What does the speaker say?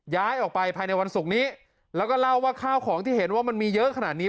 ย้ายออกไปภายในวันศุกร์นี้แล้วก็เล่าว่าข้าวของที่เห็นว่ามันมีเยอะขนาดนี้